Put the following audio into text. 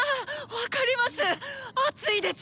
分かります！